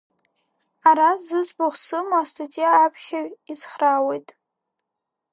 Ара зыӡбахә сымоу астатиа аԥхьаҩ ицхраауеит.